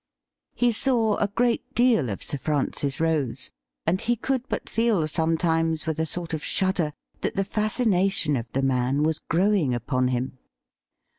He saw a great deal of Sir Francis Rose, and he could but feel sometimes with a sort of shudder that the fascina tion of the man was growing upon him.